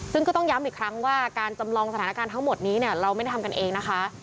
ซึ่งก็ต้องย้ำอีกครั้งว่าการจำลองสถานการณ์ทั้งหมดนี้เนี่ยเราไม่ได้ทำกันเองนะคะ